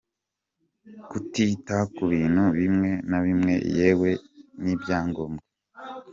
Kutita ku bintu bimwe na bimwe yewe n’ibyangombwa,.